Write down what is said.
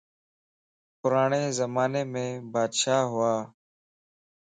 پراڙي زماني مَ بادشاهه ھُوا